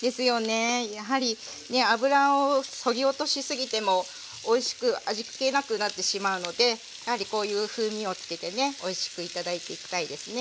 やはり油をそぎ落としすぎてもおいしく味気なくなってしまうのでやはりこういう風味をつけてねおいしく頂いていきたいですね。